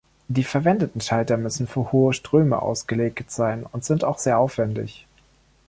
Die verwendeten Schalter müssen für hohe Ströme ausgelegt sein und sind auch sehr aufwändig.